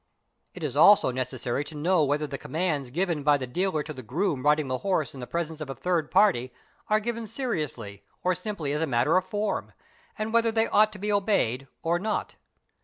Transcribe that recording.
) It is also necessary to know whether the commands given by the dealer to the groom riding the horse in the presence of a third party are given seriously or simply as a matter of form, and whether they ought to be obeyed or not.